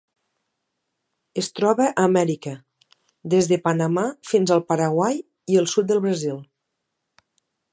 Es troba a Amèrica: des de Panamà fins al Paraguai i el sud del Brasil.